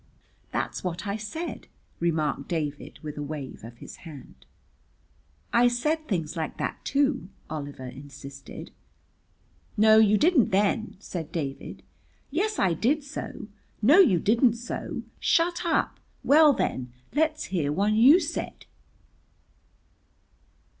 "That's what I said," remarked David with a wave of his hand. "I said things like that, too," Oliver insisted. "No, you didn't then," said David. "Yes, I did so." "No, you didn't so." "Shut up." "Well, then, let's hear one you said."